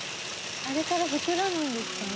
あれから膨らむんですかね？